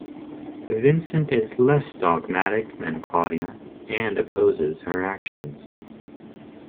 Vincent is less dogmatic than Claudia and opposes her actions.